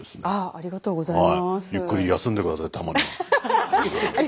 ありがとうございます。